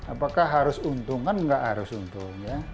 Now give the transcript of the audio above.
apakah harus untung kan nggak harus untung ya